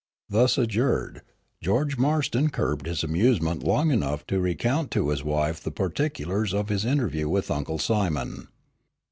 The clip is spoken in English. Thus adjured, George Marston curbed his amusement long enough to recount to his wife the particulars of his interview with Uncle Simon.